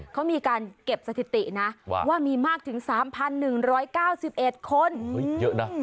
เขามีการเก็บสถิตินะว่ามีมากถึง๓๑๙๑คนเยอะนะ